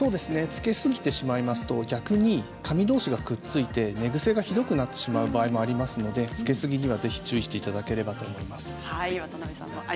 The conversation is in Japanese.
つけすぎると髪どうしがくっついて寝ぐせがひどくなる場合がありますので、つけすぎには注意していただければと思います。